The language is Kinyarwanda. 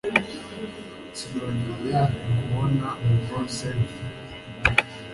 sinongeye kumubona ubwo cyntia